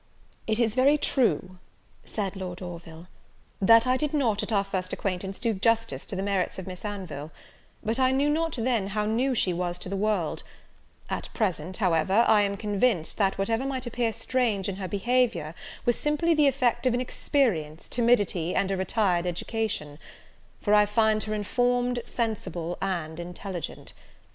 "It is very true," said Lord Orville, "that I did not, at our first acquaintance, do justice to the merits of Miss Anville; but I knew not then how new she was to the world; at present, however, I am convinced, that whatever might appear strange in her behaviour, was simply the effect of inexperience, timidity, and a retired education; for I find her informed, sensible, and intelligent.